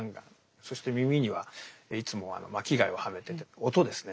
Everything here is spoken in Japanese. そして耳にはいつも巻貝をはめてて音ですね。